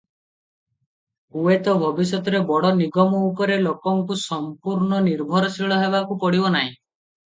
ହୁଏତ ଭବିଷ୍ୟତରେ ବଡ଼ ନିଗମ ଉପରେ ଲୋକଙ୍କୁ ସମ୍ପୂର୍ଣ୍ଣ ନିର୍ଭରଶୀଳ ହେବାକୁ ପଡ଼ିବ ନାହିଁ ।